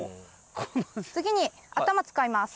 次に頭使います。